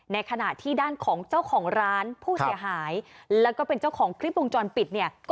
ขณะที่ด้านของเจ้าของร้านผู้เสียหายแล้วก็เป็นเจ้าของคลิปวงจรปิดเนี่ย